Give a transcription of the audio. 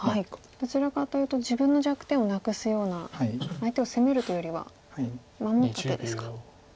どちらかというと自分の弱点をなくすような相手を攻めるというよりは守った手ですか。